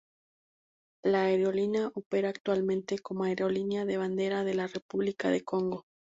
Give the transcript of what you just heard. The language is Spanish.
La aerolínea opera actualmente como aerolínea de bandera de la República del Congo.